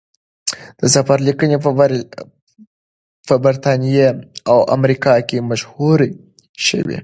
د سفر لیکنې په بریتانیا او امریکا کې مشهورې شوې.